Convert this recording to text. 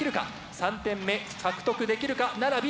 ３点目獲得できるか奈良Ｂ。